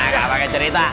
gak pakai cerita